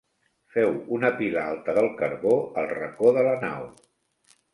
Feu una pila alta del carbó al racó de la nau.